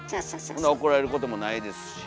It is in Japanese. ほんだら怒られることもないですし。